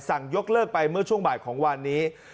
ยกเลิกไปเมื่อช่วงบ่ายของวันนี้